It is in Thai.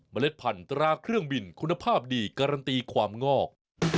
เล็ดพันธุ์ตราเครื่องบินคุณภาพดีการันตีความงอก